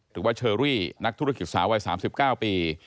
หรือว่าเชอรี่นักธุรกิจสาววัย๓๙ปี